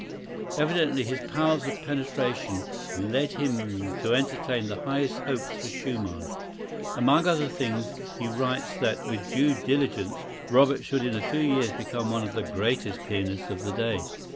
Evidently his powers of penetration led him to entertain the highest hopes for Schumann. Among other things he writes that, with due diligence, Robert should in a few years become one of the greatest pianists of the day.